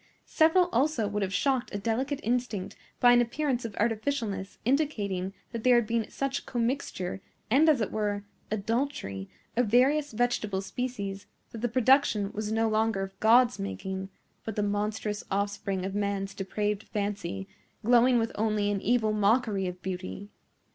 Several also would have shocked a delicate instinct by an appearance of artificialness indicating that there had been such commixture, and, as it were, adultery, of various vegetable species, that the production was no longer of God's making, but the monstrous offspring of man's depraved fancy, glowing with only an evil mockery of beauty.